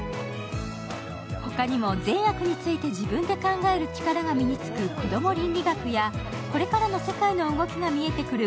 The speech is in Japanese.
ほかにも善悪について自分で考える力が身につくこれからの世界の動きが見えてくる